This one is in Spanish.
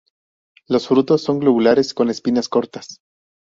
Los frutos son globulares con espinas cortas.